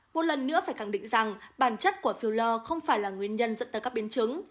một lần nữa phải khẳng định rằng bản chất của philor không phải là nguyên nhân dẫn tới các biến chứng